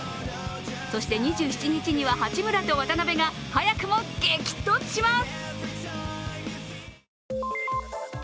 そして、２７日には八村と渡邊が早くも激突します。